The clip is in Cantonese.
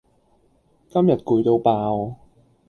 今日攰到爆